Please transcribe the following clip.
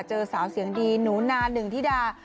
เจอสาวเสียงดีหนูนาหนึ่งธิดา